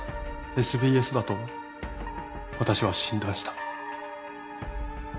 ＳＢＳだと私は診断した。